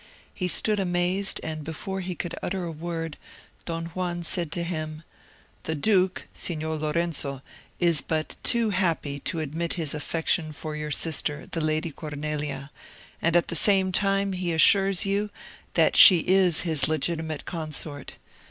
He stood amazed, and before he could utter a word, Don Juan said to him, "The duke, Signor Lorenzo, is but too happy to admit his affection for your sister, the Lady Cornelia; and, at the same time, he assures you, that she is his legitimate consort.